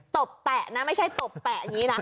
ตบแตะนะไม่ใช่ตบแปะอย่างนี้นะ